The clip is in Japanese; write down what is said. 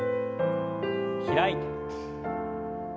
開いて。